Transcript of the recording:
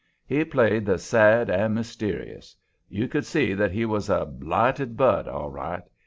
He played the sad and mysterious. You could see that he was a blighted bud, all right.